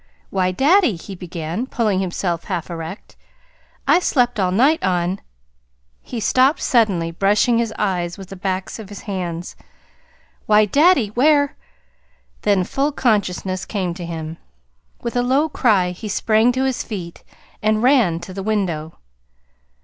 "Why, daddy," he began, pulling himself half erect, "I slept all night on " He stopped suddenly, brushing his eyes with the backs of his hands. "Why, daddy, where " Then full consciousness came to him. With a low cry he sprang to his feet and ran to the window.